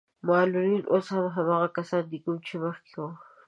معلولين اوس هم هماغه کسان دي کوم چې مخکې وو.